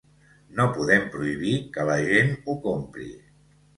No podem prohibir que la gent ho compri.